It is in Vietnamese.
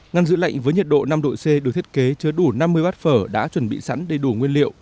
ngăn giữ lạnh với nhiệt độ năm độ c được thiết kế chứa đủ năm mươi bát phở đã chuẩn bị sẵn đầy đủ nguyên liệu